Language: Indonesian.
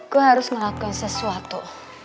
gue harus ngelakuin sesuatu